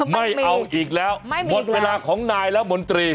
ไม่เอาอีกแล้วหมดเวลาของนายละมนตรี